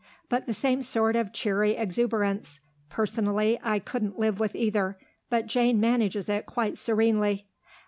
But the same sort of cheery exuberance; personally, I couldn't live with either; but Jane manages it quite serenely.